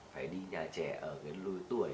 phải đi nhà trẻ ở lưu tuổi